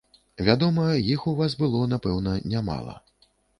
Вядома, іх у вас было напэўна, нямала.